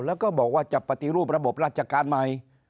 แล้วก็บอกว่าจะปฏิรูประบบราชการใหม่